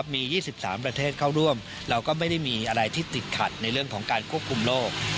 มี๒๓ประเทศเข้าร่วมเราก็ไม่ได้มีอะไรที่ติดขัดในเรื่องของการควบคุมโรค